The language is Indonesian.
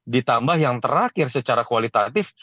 ditambah yang terakhir secara kualitatif